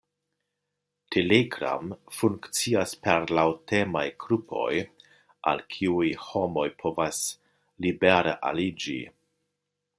Telegram funkcias per laŭtemaj grupoj, al kiuj homoj povas libere aliĝi.